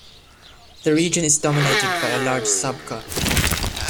The region is dominated by a large sabkha.